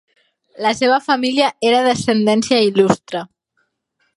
La seva família era d'ascendència il·lustre.